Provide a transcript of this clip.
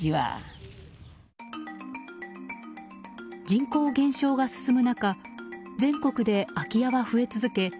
人口減少が進む中全国で空き家が増え続け